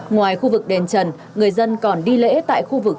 ngoài khu vực đền trần người dân còn đi lễ tại khu vực